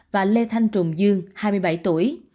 và lê thanh trùm dương hai mươi bảy tuổi